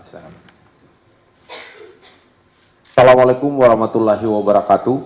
assalamu'alaikum warahmatullahi wabarakatuh